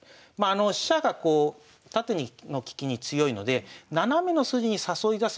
飛車がこう縦の利きに強いので斜めの筋に誘い出す